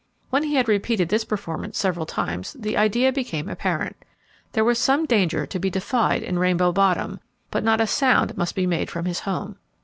When he had repeated this performance several times, the idea became apparent. There was some danger to be defied in Rainbow Bottom, but not a sound must be made from his home.